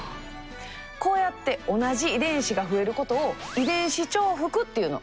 こうやって同じ遺伝子が増えることを「遺伝子重複」っていうの。